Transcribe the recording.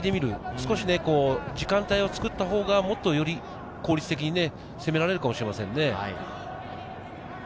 少し時間帯を作ってみたほうがより効率的に攻められるかもしれませんね。